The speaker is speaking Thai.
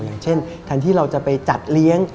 อย่างเช่นแทนที่เราจะไปจัดเลี้ยง